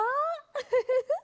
ウフフフ。